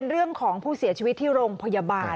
เรื่องของผู้เสียชีวิตที่โรงพยาบาล